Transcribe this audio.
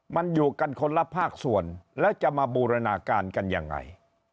มันอยู่กันคนละภาคส่วนแล้วจะมาบูรณาการกันยังไง